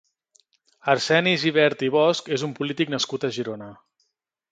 Arseni Gibert i Bosch és un polític nascut a Girona.